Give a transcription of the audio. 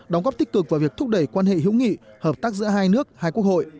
đóng góp tích cực vào việc thúc đẩy quan hệ hữu nghị hợp tác giữa hai nước hai quốc hội